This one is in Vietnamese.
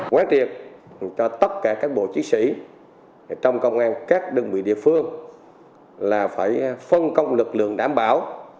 quán triệt cho tất cả các bộ chiến sĩ trong công an các đơn vị địa phương là phải phân công lực lượng đảm bảo